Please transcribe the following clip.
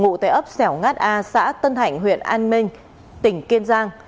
ngụ tê ấp xẻo ngát a xã tân thảnh huyện an minh tỉnh kiên giang